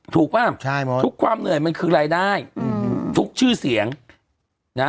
ป่ะทุกความเหนื่อยมันคือรายได้ทุกชื่อเสียงนะ